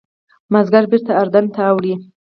مازیګر بېرته اردن ته اوړي.